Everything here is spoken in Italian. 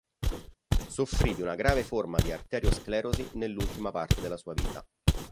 Soffrì di una grave forma di arteriosclerosi nell'ultima parte della sua vita.